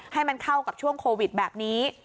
ให้มันเข้ากับช่วงโควิดแบบนี้